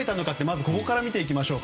まずここから見ていきましょう。